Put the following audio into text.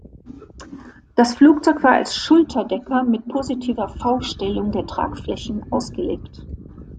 Das Flugzeug war als Schulterdecker mit positiver V-Stellung der Tragflächen ausgelegt.